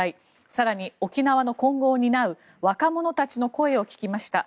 更に、沖縄の今後を担う若者たちの声を聞きました。